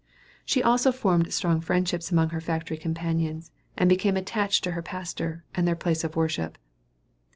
She also formed strong friendships among her factory companions, and became attached to her pastor, and their place of worship.